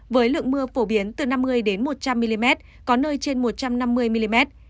với lượng mưa phổ biến từ năm mươi một trăm linh mm có nơi trên một trăm năm mươi mm